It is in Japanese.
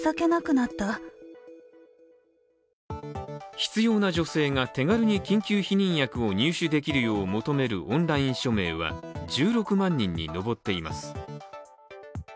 必要な女性が手軽に緊急避妊薬を入手できるよう求めるオンライン署名は１６万人に上っています。